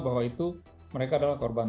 bahwa itu mereka adalah korban